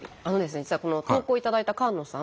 実はこの投稿を頂いた菅野さん